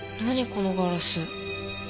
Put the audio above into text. このガラス。